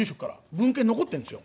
文献残ってるんですよ。